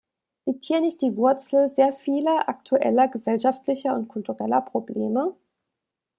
Liegt hier nicht die Wurzel sehr vieler aktueller gesellschaftlicher und kultureller Probleme?